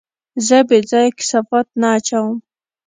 زه بېځايه کثافات نه اچوم.